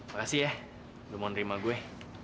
makasih ya lu mau nerima gue